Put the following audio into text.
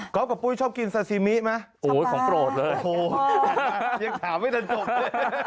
ก๊อบกับปุ๊ยชอบกินซาซิมิไหมของโปรดเลยยังถามไม่ถึงจบเลย